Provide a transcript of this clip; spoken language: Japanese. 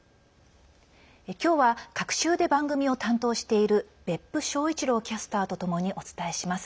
今日は隔週で番組を担当している別府正一郎キャスターとともにお伝えします。